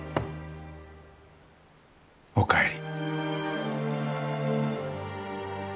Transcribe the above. お帰り。